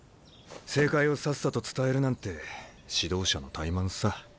正解をさっさと伝えるなんて指導者の怠慢さ。